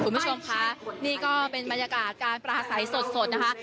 คุณผู้ชมค่ะนี่ก็เป็นบรรยากาศการปราศัยสดสดนะคะ